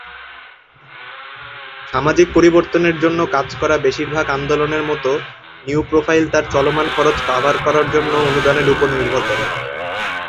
সামাজিক পরিবর্তনের জন্য কাজ করা বেশিরভাগ আন্দোলনের মতো, নিউ প্রোফাইল তার চলমান খরচ কভার করার জন্য অনুদানের উপর নির্ভর করে।